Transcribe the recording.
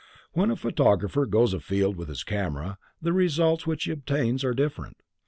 When a photographer goes afield with his camera the results which he obtains are different.